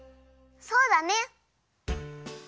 そうだね。